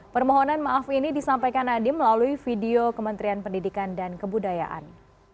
permohonan maaf ini disampaikan nadiem melalui video kementerian pendidikan dan kebudayaan